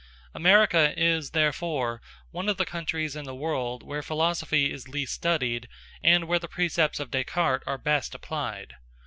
America is therefore one of the countries in the world where philosophy is least studied, and where the precepts of Descartes are best applied.